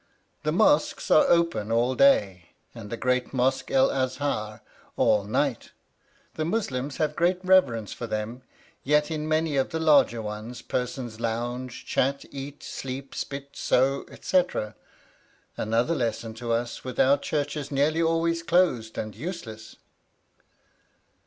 The mosques are open all day, and the great mosque El Azhar all night; the Muslims have great reverence for them, yet in many of the larger ones persons lounge, chat, eat, sleep, spit, sew, etc.: another lesson to us with our churches nearly always closed and useless.